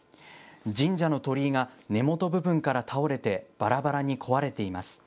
神社の鳥居が根元部分から倒れて、ばらばらに壊れています。